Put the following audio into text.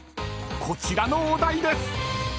［こちらのお題です］